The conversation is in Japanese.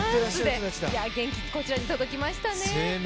元気、こちらに届きましたね